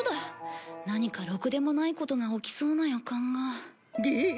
何かろくでもないことが起きそうな予感が。